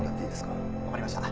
分かりました。